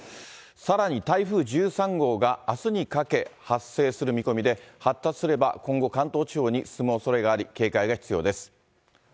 さらに台風１３号があすにかけ発生する見込みで、発達すれば、今後、関東地方に進むおそれがあり、警戒が必要です。